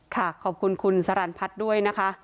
ขอบคุณคุณสรรพัฒน์ด้วยนะคะ